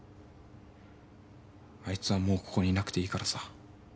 あいつはもうここにいなくていいからさ。